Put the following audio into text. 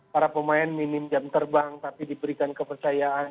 para pemain minim jam terbang tapi diberikan kepercayaan